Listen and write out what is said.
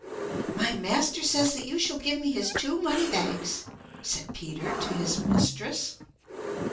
"My master says that you shall give me his two money bags," said Peter to his mistress.